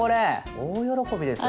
大喜びですよ